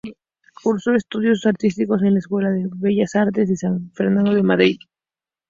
Cursó estudios artísticos en la Escuela de Bellas Artes de San Fernando de Madrid.